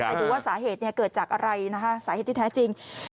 ไปดูว่าสาเหตุเกิดจากอะไรนะคะสาเหตุที่แท้จริง